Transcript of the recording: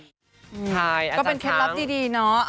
ใช่อาจารย์ช้ำก็เป็นเคล็ดล็อตดีเนอะ